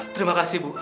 terima kasih ibu